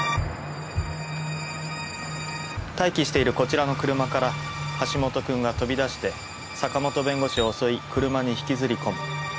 待機しているこちらの車から端本君が飛び出して坂本弁護士を襲い車に引きずり込む。